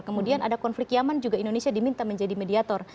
kemudian ada konflik yaman juga indonesia diminta menjadi mediator